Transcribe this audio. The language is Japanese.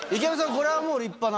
これはもう立派な。